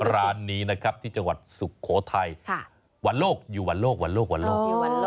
ร้านนี้นะครับที่จังหวัดสุโขทัยวันโลกอยู่วันโลกวันโลกวันโลก